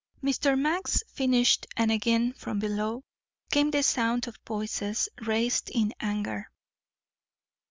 '" Mr. Max finished, and again from below came the sound of voices raised in anger.